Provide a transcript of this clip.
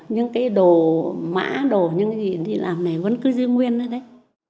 những cái đồ mã đồ những cái gì đi làm này vẫn cứ giữ nguyên đó đấy